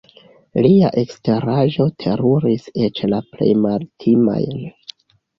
Lia eksteraĵo teruris eĉ la plej maltimajn.